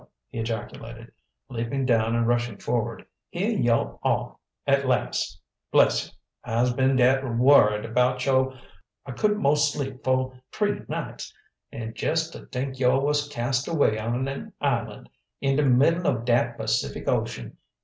he ejaculated, leaping down and rushing forward. "Heah yo' are at las', bless you! I'se been dat worried 'bout yo' I couldn't 'most sleep fo' t'ree nights. An' jess to t'ink yo' was cast away on an island in de middle of dat Pacific Ocean!